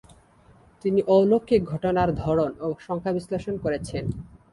তিনি অলৌকিক ঘটনার ধরন ও সংখ্যা বিশ্লেষণ করেছেন।